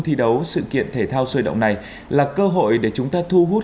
từ đại hội thể thao đông nam á sea games ba mươi một